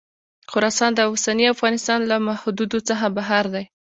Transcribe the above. خراسان د اوسني افغانستان له حدودو څخه بهر دی.